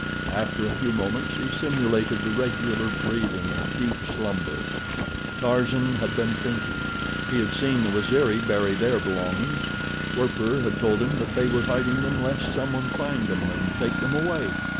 After a few moments he simulated the regular breathing of deep slumber. Tarzan had been thinking. He had seen the Waziri bury their belongings. Werper had told him that they were hiding them lest some one find them and take them away.